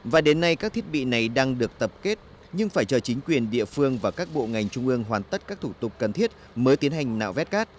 và đến nay các thiết bị này đang được tập kết nhưng phải chờ chính quyền địa phương và các bộ ngành trung ương hoàn tất các thủ tục cần thiết mới tiến hành nạo vét cát